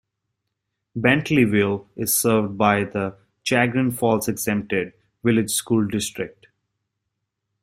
Bentleyville is served by the Chagrin Falls Exempted Village School District.